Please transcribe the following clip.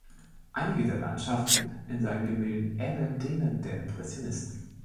Einige der Landschaften in seinen Gemälden ähneln denen der Impressionisten.